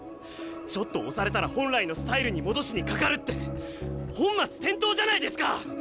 ちょっと押されたら本来のスタイルに戻しにかかるって本末転倒じゃないですか！